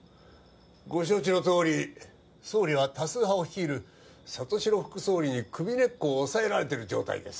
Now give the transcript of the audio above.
ご承知のとおり総理は多数派を率いる里城副総理に首根っこを押さえられてる状態です